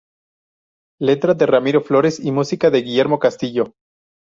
Letra de Ramiro Flores y música de Guillermo Castillo.